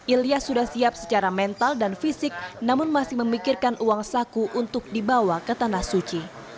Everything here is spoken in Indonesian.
ilya sudah siap secara mental dan fisik namun masih memikirkan uang saku untuk dibawa ke tanah suci